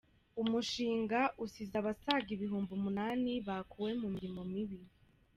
Umushinga usize abasaga ibihumbi umunani bakuwe mu mirimo mibi